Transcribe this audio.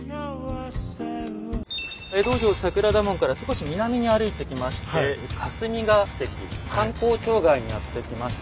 江戸城桜田門から少し南に歩いてきまして霞が関官公庁街にやって来ました。